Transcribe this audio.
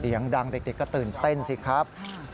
เสียงดังเด็กก็ตื่นเต้นสิครับ